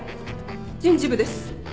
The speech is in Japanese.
人事部です。